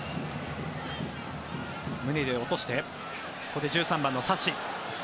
胸で落としてここで１３番のサシ。